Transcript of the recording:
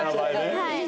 はい。